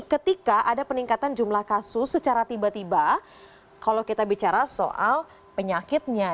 ketika ada peningkatan jumlah kasus secara tiba tiba kalau kita bicara soal penyakitnya